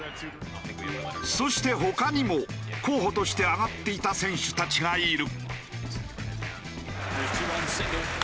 そして他にも候補として挙がっていた選手たちがいる。